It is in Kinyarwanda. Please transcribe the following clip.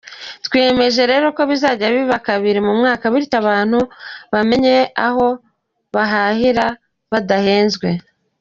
Twiyemeje rero ko bizajya biba kabiri mu mwaka bityo abantu bamenye aho bahahira badahenzwe”.